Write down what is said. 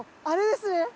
あれですね。